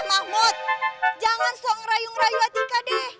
eh mahmud jangan so ngerayu ngerayu atika deh